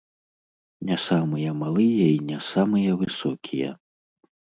Не самыя малыя і не самыя высокія.